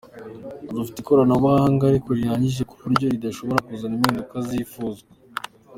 Dufite ikoranabuhanga ariko riraranyanyagiye ku buryo ridashobora kuzana impinduka zifuzwa.